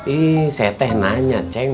ih seteh nanya ceng